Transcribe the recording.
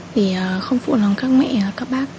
để không phụ nồng các mẹ và các bác